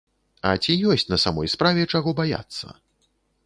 А ці ёсць на самой справе чаго баяцца?